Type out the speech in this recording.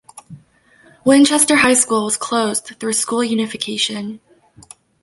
Winchester High School was closed through school unification.